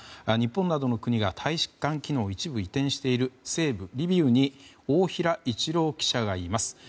日本などの国が大使館機能を一部移転している西部リビウに大平一郎記者がいます。